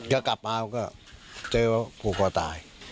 ก็กลับมาก็เจอกลัวตาย